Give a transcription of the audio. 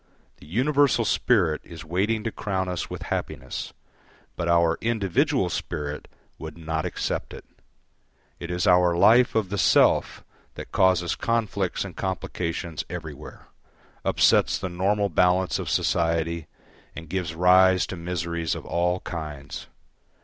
The universal spirit is waiting to crown us with happiness, but our individual spirit would not accept it. It is our life of the self that causes conflicts and complications everywhere, upsets the normal balance of society and gives rise to miseries of all kinds.